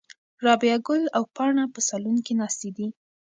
رابعه ګل او پاڼه په صالون کې ناستې دي.